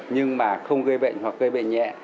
nhưng mà không gây bệnh hoặc gây bệnh nhẹ